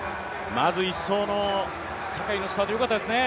まず１走の坂井のスタートよかったですね。